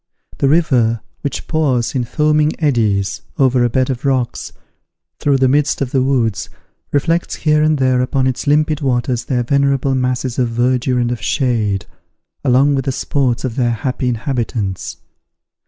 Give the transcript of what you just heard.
The river, which pours, in foaming eddies, over a bed of rocks, through the midst of the woods, reflects here and there upon its limpid waters their venerable masses of verdure and of shade, along with the sports of their happy inhabitants.